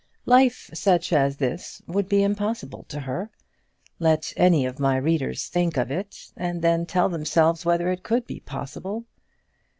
Life such as this would be impossible to her. Let any of my readers think of it, and then tell themselves whether it could be possible.